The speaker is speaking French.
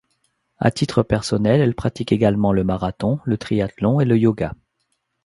À titre personnel, elle pratique également le marathon, le triathlon et le yoga.